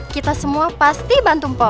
kita semua pasti bantu mpok